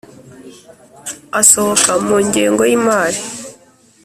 asohoka mu ngengo y’imari.